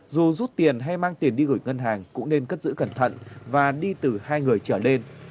dù rút tiền hay mang tiền đi gửi ngân hàng cũng nên cất giữ cẩn thận và đi từ hai người trở lên